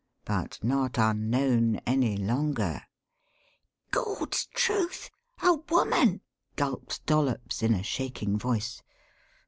But not unknown any longer. "Gawd's truth a woman!" gulped Dollops in a shaking voice.